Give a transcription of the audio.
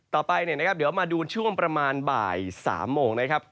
ต่อไปเนี่ยนะครับเดี๋ยวมาดูช่วงประมาณบ่าย๓โมงนะครับ